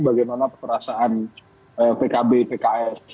bagaimana perasaan pkb pks